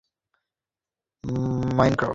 তিনি মারিনস্কি থিয়েটারে প্রতিশ্রুতিবদ্ধ ছিলেন।